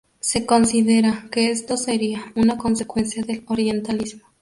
Se considera que esto sería una consecuencia del orientalismo.